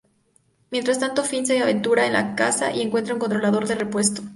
Mientras tanto, Finn se aventura en la casa y encuentra un controlador de repuesto.